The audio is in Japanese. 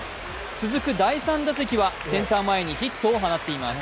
続く第３打席はセンター前にヒットを放っています。